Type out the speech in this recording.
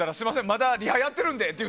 まだリハやっているのでって